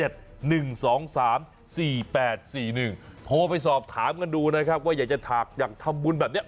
โทรไปสอบถามกันดูนะครับว่าอยากจะอยากทำบุญแบบนี้